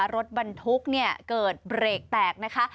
รถบรรทุกเกิดเบรกแตก